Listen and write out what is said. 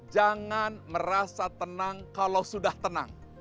jangan merasa tenang kalau sudah tenang